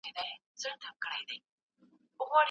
دا د قامونو د خپلویو وطن